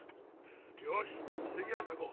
よし赤飯炊こう！